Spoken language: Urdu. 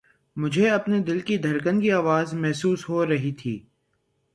مجھے اپنے دل کی دھڑکن کی آواز محسوس ہو رہی تھی